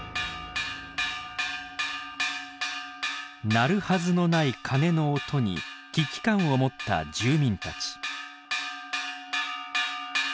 鳴るはずのない鐘の音に危機感を持った住民たち。